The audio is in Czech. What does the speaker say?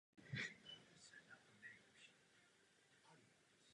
Fond se zasazuje o ochranu stávajícího kulturního dědictví a vznik nového.